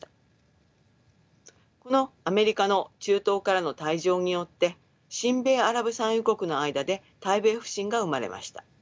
このアメリカの中東からの退場によって親米アラブ産油国の間で対米不信が生まれました。